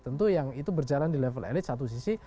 tentu yang itu berjalan di level elit satu sisi